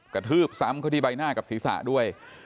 กระทืบซ้ำเข้าที่ใบหน้ากับศีรษะด้วย